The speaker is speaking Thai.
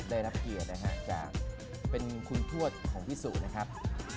ได้รับเกียรตินะฮะจากเป็นคุณทวดของพี่สุนะครับ